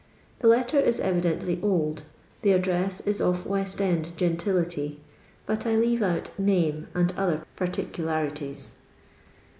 The letter is evidently old, the addreu is of West end centility, but I leave out name and other parti cularities :—